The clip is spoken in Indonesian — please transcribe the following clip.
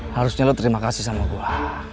harusnya lo terima kasih sama gue